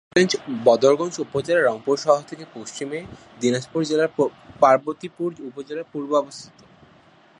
বদরগঞ্জ উপজেলা রংপুর শহর থেকে পশ্চিমে, দিনাজপুর জেলার পার্বতীপুর উপজেলার পূর্বে অবস্থিত।